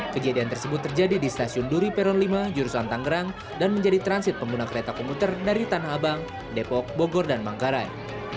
kejadian tersebut terjadi di stasiun duri peron lima jurusan tangerang dan menjadi transit pengguna kereta komuter dari tanah abang depok bogor dan manggarai